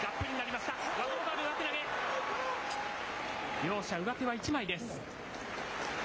両者、上手は１枚です。